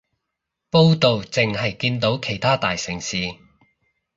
報導淨係見到其他大城市